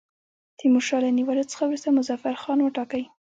تیمورشاه له نیولو څخه وروسته مظفرخان وټاکی.